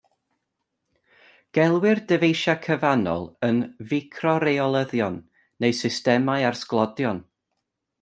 Gelwir dyfeisiau cyfannol yn ficro reolyddion neu systemau ar sglodyn.